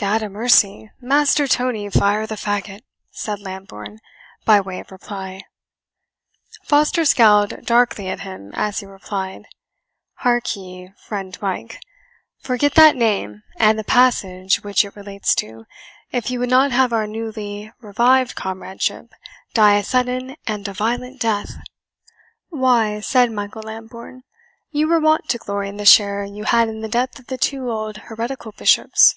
"Gad a mercy, Master Tony Fire the Fagot!" said Lambourne, by way of reply. Foster scowled darkly at him, as he replied, "Hark ye, friend Mike; forget that name, and the passage which it relates to, if you would not have our newly revived comradeship die a sudden and a violent death." "Why," said Michael Lambourne, "you were wont to glory in the share you had in the death of the two old heretical bishops."